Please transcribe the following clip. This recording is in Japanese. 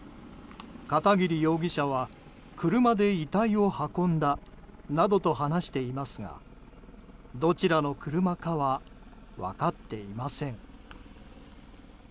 片桐容疑者は車で遺体を運んだなどと話していますがどちらの車かは分かっていません。